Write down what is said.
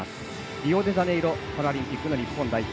リオデジャネイロパラリンピック日本代表